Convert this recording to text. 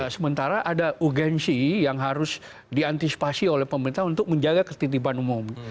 sementara ada ugensi yang harus diantisipasi oleh pemerintah untuk menjaga ketitiban umum